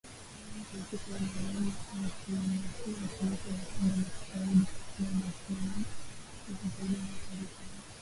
Maafisa wanalaumiwa kwa kuruhusu ushirika wa kundi la kigaidi kukua na kuwa na nguvu zaidi na hatari sana